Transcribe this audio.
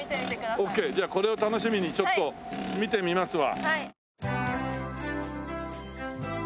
オッケーじゃあこれを楽しみにちょっと見てみますわ。